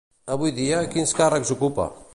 Avui dia, quins càrrecs ocupa?